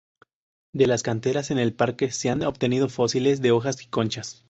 De las canteras en el parque se han obtenido fósiles de hojas y conchas.